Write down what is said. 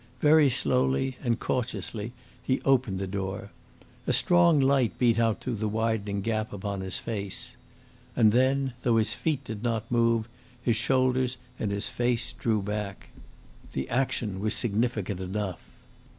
Very slowly and cautiously he opened the door. A strong light beat out through the widening gap upon his face. And then, though his feet did not move, his shoulders and his face drew back. The action was significant enough.